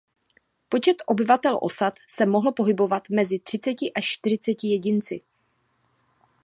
Počet obyvatel osad se mohl pohybovat mezi třiceti až čtyřiceti jedinci.